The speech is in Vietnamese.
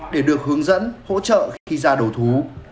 để được hướng dẫn hỗ trợ khi ra đầu thú